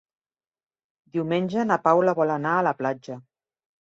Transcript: Diumenge na Paula vol anar a la platja.